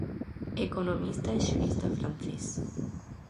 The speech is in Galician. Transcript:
Economista e xurista francés.